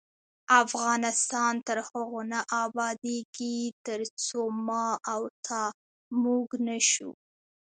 افغانستان تر هغو نه ابادیږي، ترڅو ما او تا "موږ" نشو.